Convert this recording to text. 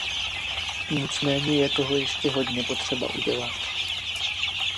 Nicméně je toho ještě hodně potřeba udělat.